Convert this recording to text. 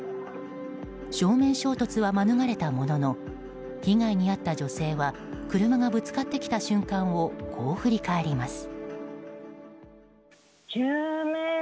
正面衝突は免れたものの被害に遭った女性は車がぶつかってきた瞬間をこう振り返ります。